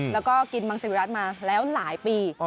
แล้วก็กินมังศิวิรัติมาแล้วหลายปี